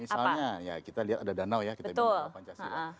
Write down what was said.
misalnya ya kita lihat ada danau ya kita bicara pancasila